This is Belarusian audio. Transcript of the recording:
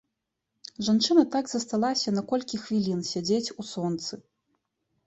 Жанчына так засталася на колькі хвілін сядзець у сонцы.